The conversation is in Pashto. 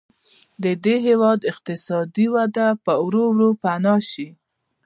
د دې هېواد اقتصادي وده به ورو ورو پناه شي.